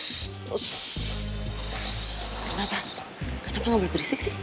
shhh kenapa gak boleh berisik sih